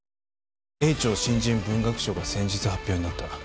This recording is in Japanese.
永鳥新人文学賞が先日、発表になった。